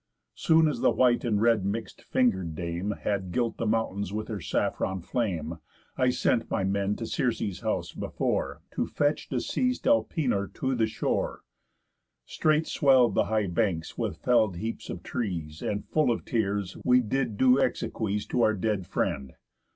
Soon as the white and red mix'd finger'd Dame Had gilt the mountains with her saffron flame, I sent my men to Circe's house before, To fetch deceas'd Elpenor to the shore. Straight swell'd the high banks with fell'd heaps of trees, And, full of tears, we did due exsequies To our dead friend.